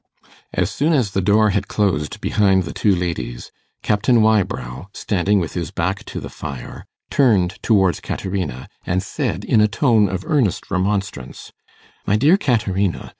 As soon as the door had closed behind the two ladies, Captain Wybrow, standing with his back to the fire, turned towards Caterina, and said in a tone of earnest remonstrance, 'My dear Caterina.